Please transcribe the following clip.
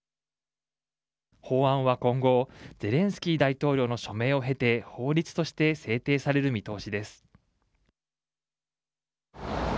法案は今後ゼレンスキー大統領の署名を経て法律として制定される見通しです。